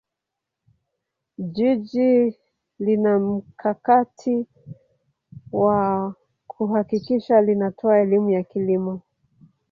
jiji linamkakati wa kuhakikisha linatoa elimu ya kilimo